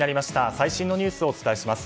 細心のニュースをお伝えします。